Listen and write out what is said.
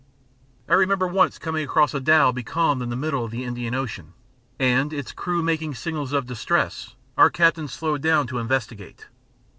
I remember once coming across a dhow becalmed in the middle of the Indian Ocean, and its crew making signals of distress, our captain slowed down to investigate.